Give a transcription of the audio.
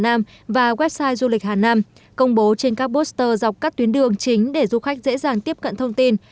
hà nam và website du lịch hà nam công bố trên các poster dọc các tuyến đường chính để du khách dễ dàng tiếp cận thông tin